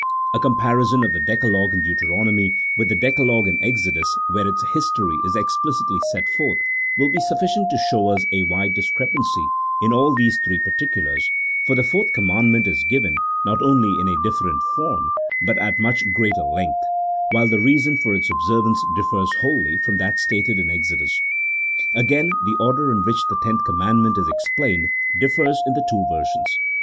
A comparison of the decalogue in Deuteronomy with the decalogue in Exodus, where its history is explicitly set forth, will be sufficient to show us a wide discrepancy in all these three particulars, for the fourth commandment is given not only in a different form, but at much greater length, while the reason for its observance differs wholly from that stated in Exodus. Again, the order in which the tenth commandment is explained differs in the two versions.